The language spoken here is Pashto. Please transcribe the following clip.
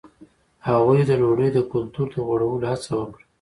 هغوی د ډوډۍ د کلتور د غوړولو هڅه وکړه.